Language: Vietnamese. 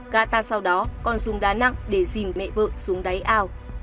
gata sau đó còn dùng đá nặng để dìm mẹ vợ xuống đáy ao